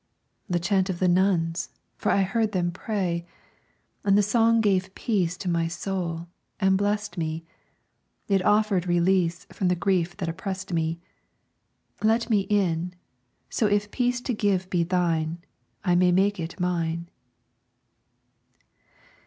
"The chant of the nuns, for I heard them pray, And the song gave peace To my soul, and blessed me; It offered release From the grief that oppressed me. Let me in, so if peace to give be thine, I may make it mine."